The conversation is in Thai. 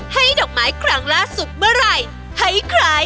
ดอกไม้ครั้งล่าสุดเมื่อไหร่ให้ใคร